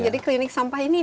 jadi klinik sampah ini